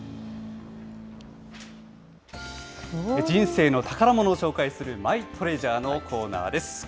人生の宝物を紹介するマイトレジャーのコーナーです。